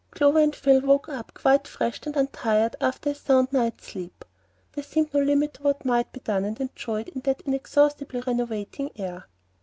Clover and Phil waked up quite fresh and untired after a sound night's sleep. There seemed no limit to what might be done and enjoyed in that inexhaustibly renovating air.